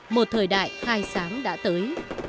một thời đại khai sáng đã tới